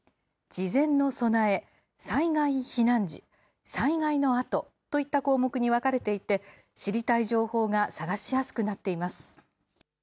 事前の備え、災害・避難時、災害のあとといった項目に分かれていて、知りたい情報が探しやすくなっています。